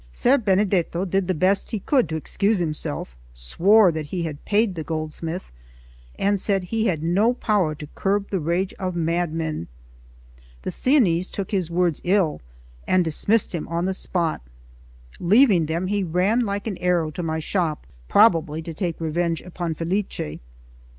Ser Benedetto did the best he could to excuse himself, swore that he had paid the goldsmith, and said he had no power to curb the rage of madmen. The Sienese took his words ill, and dismissed him on the spot. Leaving them, he ran like an arrow to my shop, probably to take revenge upon Felice.